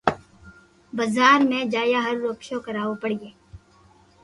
بزار م جايا هارون رڪۮه ڪراوئ پڙو هي